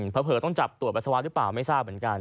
เผลอต้องจับตรวจปัสสาวะหรือเปล่าไม่ทราบเหมือนกัน